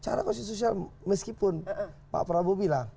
cara konstitusional meskipun pak prabowo bilang